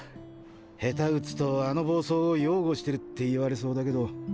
下手うつとあの暴走を擁護してるって言われそうだけど。